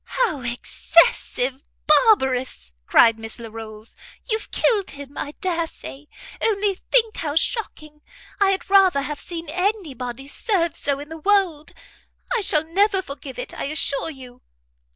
"How excessive barbarous!" cried Miss Larolles, "you've killed him, I dare say. Only think how shocking! I had rather have seen any body served so in the world. I shall never forgive it, I assure you."